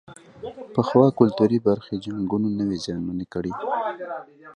پخوا کلتوري برخې جنګونو نه وې زیانمنې کړې.